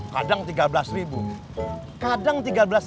kadang tiga belas kadang tiga belas lima ratus